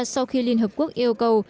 sau khi liên hợp quốc yêu cầu